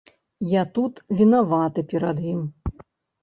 Я тут вінаваты перад ім.